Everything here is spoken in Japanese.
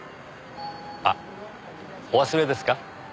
あっお忘れですか？